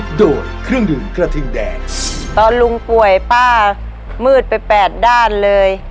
ตอนลุงป่วยป้ามืดไป๘ด้านเลย